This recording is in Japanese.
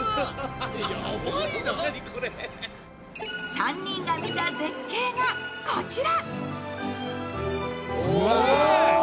３人が見た絶景がこちら。